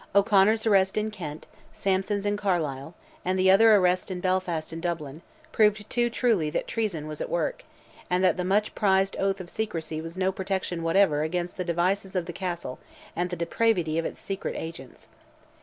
O'Conor's arrest in Kent, Sampson's in Carlisle, and the other arrests in Belfast and Dublin, proved too truly that treason was at work, and that the much prized oath of secrecy was no protection whatever against the devices of the Castle and the depravity of its secret agents.